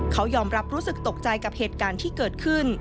เขายอมรับรู้สึกตกใจกับเหตุการณ์ที่เกิดขึ้น